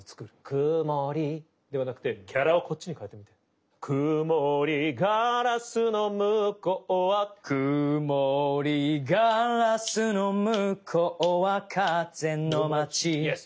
くもりではなくてキャラをこっちに変えてみてくもりガラスのむこうはくもりガラスのむこうはかぜのまちイエス。